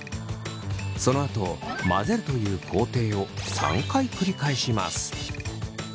そのあと混ぜるという工程を３回繰り返します。